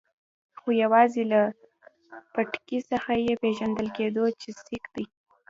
خو یوازې له پټکي څخه یې پېژندل کېدو چې سېک دی.